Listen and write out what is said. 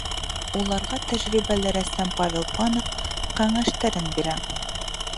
Уларға тәжрибәле рәссам Павел Панов кәңәштәрен бирә.